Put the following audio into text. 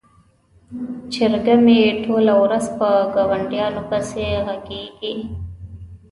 چرګه مې ټوله ورځ په ګاونډیانو پسې غږیږي.